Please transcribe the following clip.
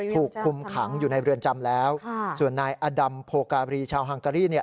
ถูกคุมขังอยู่ในเรือนจำแล้วส่วนนายอดัมโพการีชาวฮังการีเนี่ย